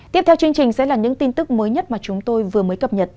tiếp theo chương trình sẽ là những tin tức mới nhất mà chúng tôi vừa mới cập nhật